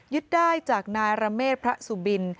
ได้จากนายระเมษพระสุบิน